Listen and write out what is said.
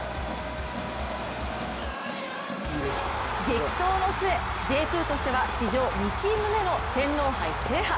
激闘の末、Ｊ２としては史上２チーム目の天皇杯制覇。